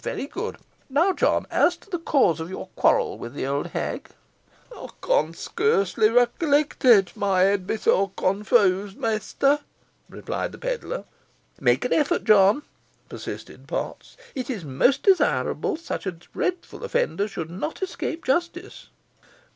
very good. Now, John, as to the cause of your quarrel with the old hag?" "Ey con scarcely rekillect it, my head be so confused, mester," replied the pedlar. "Make an effort, John," persisted Potts; "it is most desirable such a dreadful offender should not escape justice."